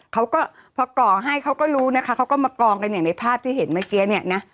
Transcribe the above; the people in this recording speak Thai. เขาก็พอก่อให้เขาก็รู้นะคะเขาก็มากองกันอย่างในภาพที่เห็นเมื่อกี้เนี่ยนะ